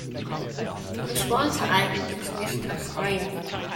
Ich wollte eigentlich nicht nach Speyer fahren